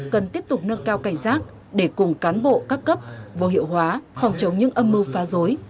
cần tiếp tục nâng cao cảnh giác để cùng cán bộ các cấp vô hiệu hóa phòng chống những âm mưu phá rối